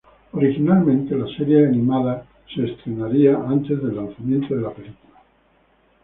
Originalmente, la serie animada se estrenaría antes del lanzamiento de la película.